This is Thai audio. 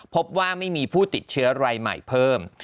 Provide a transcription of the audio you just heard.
พบว่าไม่มีผู้ติดเชื้อรายใหม่เพิ่ม